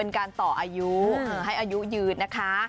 การต่ออายุให้อายุยืนนะคะ